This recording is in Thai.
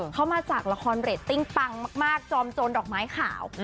เขามาจากละครเรตติ้งปังมากจอมโจรดอกไม้ขาว